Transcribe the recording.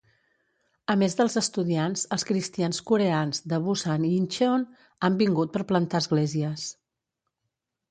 A més dels estudiants, els cristians coreans de Busan i Incheon han vingut per plantar esglésies.